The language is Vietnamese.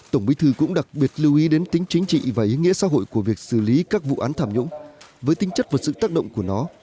tổng bí thư cũng đặc biệt lưu ý đến tính chính trị và ý nghĩa xã hội của việc xử lý các vụ án tham nhũng với tính chất và sự tác động của nó